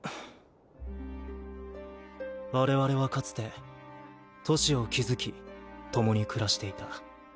我々はかつて都市を築き共に暮らしていた。